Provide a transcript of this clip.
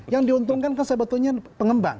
yang diuntungkan kan sebetulnya pengembang